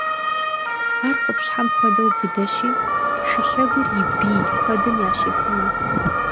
Ар къупщхьэм хуэдэу быдэщи, шылъэгур и бий куэдым ящехъумэ.